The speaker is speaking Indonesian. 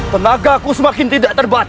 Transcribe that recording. tenagaku semakin tidak terbatas